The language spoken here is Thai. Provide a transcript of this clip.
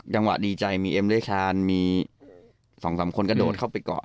จังหวะดีใจมีเอ็มเดชานมี๒๓คนกระโดดเข้าไปเกาะ